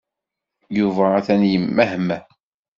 Yuba atan yemmehmeh.